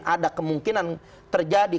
ada kemungkinan terjadi